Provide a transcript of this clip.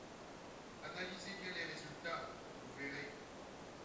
Analysez bien les résultats, vous verrez.